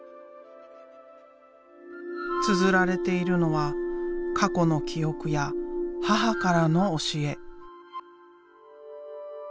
つづられているのは過去の記憶や母からの教え。